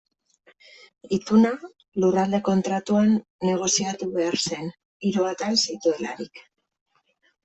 Ituna Lurralde Kontratuan negoziatu behar zen, hiru atal zituelarik.